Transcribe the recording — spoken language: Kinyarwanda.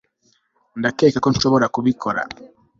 Ndakeka ko nshobora kubikora